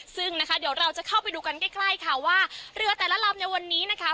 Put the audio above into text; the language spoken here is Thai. ซึ่งนะคะเดี๋ยวเราจะเข้าไปดูกันใกล้ใกล้ค่ะว่าเรือแต่ละลำในวันนี้นะคะ